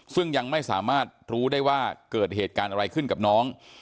ซึ่งยังไม่สามารถรู้ได้ว่าเกิดเหตุการณ์อะไรขึ้นกับน้อง